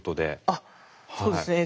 あっそうですね。